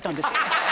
ハハハ！